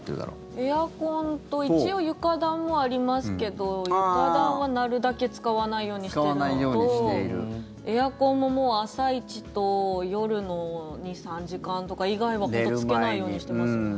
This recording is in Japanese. エアコンと一応、床暖もありますけど床暖はなるだけ使わないようにしているのとエアコンも、もう朝一と夜の２３時間とか以外は本当つけないようにしていますね。